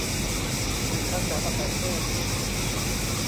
สืบพันธุ์แบบอาศัยเพศ